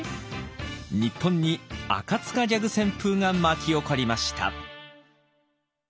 日本に赤ギャグ旋風が巻き起こりました。